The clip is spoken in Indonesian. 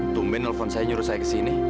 tumben nelfon saya nyuruh saya kesini